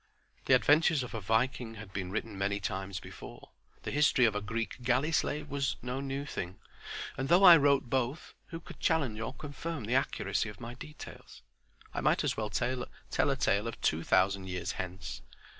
The adventures of a Viking bad been written many times before; the history of a Greek galley slave was no new thing, and though I wrote both, who could challenge or confirm the accuracy of my details? I might as well tell a tale of two thousand years hence.